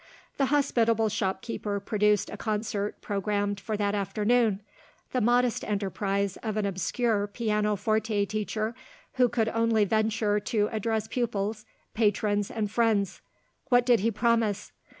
The hospitable shopkeeper produced a concert programmed for that afternoon the modest enterprise of an obscure piano forte teacher, who could only venture to address pupils, patrons, and friends. What did he promise?